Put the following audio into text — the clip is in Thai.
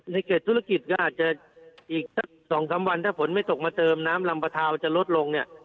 เกรดธุรกิจก็อาจจะอีกสัก๒๓วันถ้าฝนไม่ตกมาเติมน้ำลำประทามันจะลดลงเนี่ย